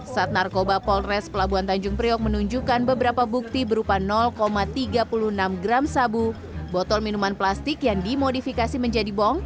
saat narkoba polres pelabuhan tanjung priok menunjukkan beberapa bukti berupa tiga puluh enam gram sabu botol minuman plastik yang dimodifikasi menjadi bong